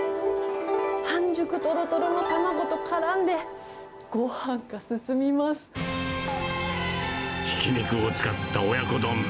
半熟とろとろの卵とからんで、ひき肉を使った親子丼。